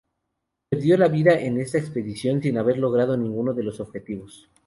Perdió la vida en esta expedición sin haber logrado ninguno de los objetivos.